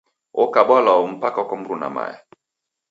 Okaba lwau mpaka kwa mruna mae.